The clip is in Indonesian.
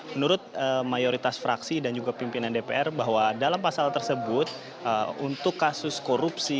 menurut mayoritas fraksi dan juga pimpinan dpr bahwa dalam pasal tersebut untuk kasus korupsi